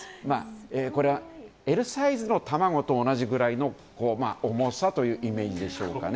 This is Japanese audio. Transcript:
Ｌサイズの卵と同じぐらい重さというイメージでしょうか。